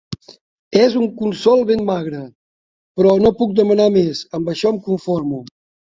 És un consol ben magre, però no puc demanar més, amb això em conforme.